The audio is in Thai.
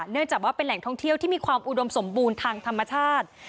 เนื่องจากว่าเป็นแหล่งท่องเที่ยวที่มีความอุดมสมบูรณ์ทางธรรมชาติ